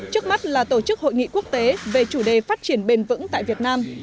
trước mắt là tổ chức hội nghị quốc tế về chủ đề phát triển bền vững tại việt nam